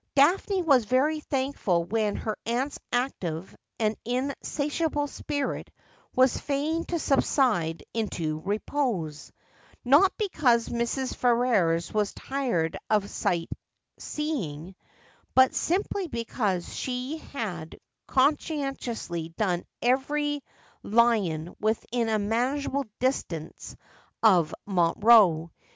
Daphne was very thankful when her aunt's active and in satiable spirit was fain to subside into repose ; not because Mrs. Ferrers was tired of sight seeing, but simply because she had conscientiously done every lion within a manageable distance of Montreux.